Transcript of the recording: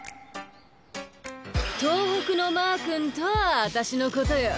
東北のマー君とは私のことよ。